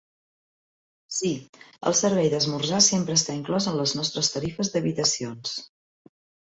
Sí, el servei d'esmorzar sempre està inclòs en les nostres tarifes d'habitacions.